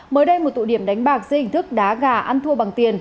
mới đây một tụ điểm đánh bạc dây hình thức đá gà ăn thua bằng tiền